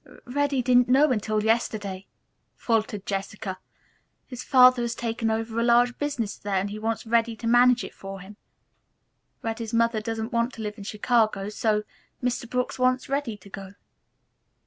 "Reddy didn't know it until yesterday," faltered Jessica. "His father has taken over a large business there and he wants Reddy to manage it for him. Reddy's mother doesn't want to live in Chicago, so Mr. Brooks wants Reddy to go."